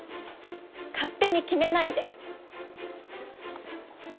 勝手に決めないで。